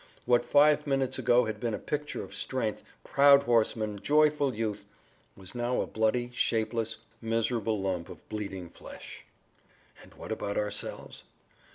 What five minutes ago had been a picture of strength, proud horsemen, joyful youth, was now a bloody, shapeless, miserable lump of bleeding flesh. And what about ourselves?